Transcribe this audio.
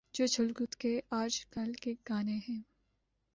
جو اچھل کود کے آج کل کے گانے ہیں۔